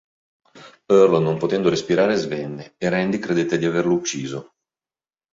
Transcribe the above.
Earl, non potendo respirare, svenne, e Randy credette di averlo ucciso.